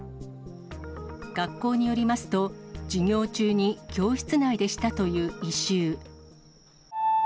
学校によりますと、授業中に教室内でしたという異臭。